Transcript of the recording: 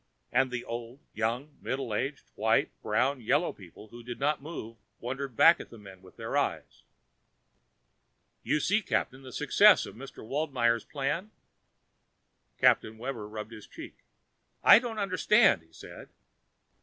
And the old, young, middle aged, white, brown, yellow people who did not move wondered back at the men with their eyes.... "You see, Captain, the success of Mr. Waldmeyer's plan?" Captain Webber rubbed his cheek. "I don't understand," he said.